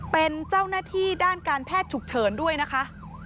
เป็นเจ้าหน้าที่ด้านการแพทย์ฉุกเฉินด้วยนะคะ